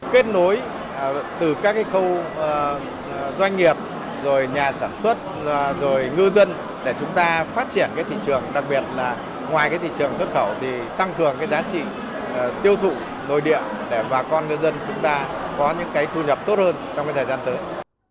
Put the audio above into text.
kết nối từ các khâu doanh nghiệp rồi nhà sản xuất rồi ngư dân để chúng ta phát triển thị trường đặc biệt là ngoài thị trường xuất khẩu thì tăng cường giá trị tiêu thụ nội địa để bà con ngư dân chúng ta có những thu nhập tốt hơn trong thời gian tới